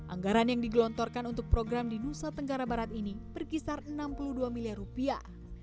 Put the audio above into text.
anggaran yang digelontorkan untuk program di nusa tenggara barat ini berkisar enam puluh dua miliar rupiah